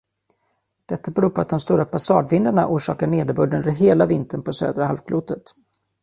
Detta beror på att de stora passadvindarna orsakar nederbörd under hela vintern på södra halvklotet.